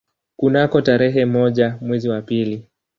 Kunako tarehe moja mwezi wa pili